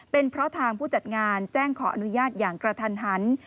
เป็นเพราะทางผู้จัดงานแจ้งขออนุญาตอย่างกระทันหัน